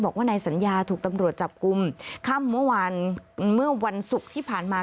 บอกว่านายสัญญาถูกตำรวจจับกลุ่มค่ำเมื่อวานเมื่อวันศุกร์ที่ผ่านมา